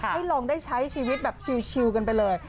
ให้ลองได้ใช้ชีวิตแบบชิลกันไปเลย